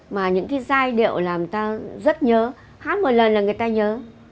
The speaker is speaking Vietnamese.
mà những cái giai điệu làm ta rất nhớ hát một lần là người ta nhớ